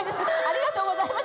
ありがとうございます。